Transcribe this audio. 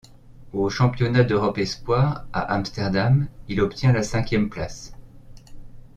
Aux championnats d'Europe espoirs à Amsterdam il obtient la cinquième place.